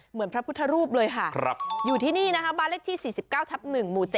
เหมือนพระพุทธรูปเลยค่ะอยู่ที่นี่นะคะบ้านเลขที่๔๙ทับ๑หมู่๗